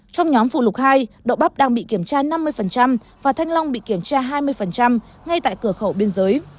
trong nhóm phụ lục hai đậu bắp đang bị kiểm tra năm mươi và thanh long bị kiểm tra hai mươi ngay tại cửa khẩu biên giới